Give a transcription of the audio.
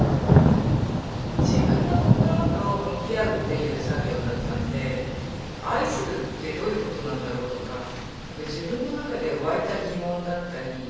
自分の心と向き合うっていう作業だったんで愛するってどういうことなんだろう？とか自分の中で湧いた疑問だったり。